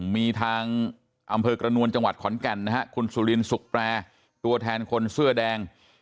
มีทางอำเภอกระนวลจังหวัดขอนแก่นนะฮะคุณสุลินสุขแปรตัวแทนคนเสื้อแดง